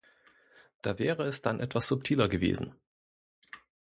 Da wäre es dann etwas subtiler gewesen.